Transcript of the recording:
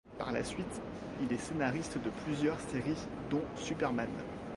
Par la suite il est scénariste de plusieurs séries dont Superman.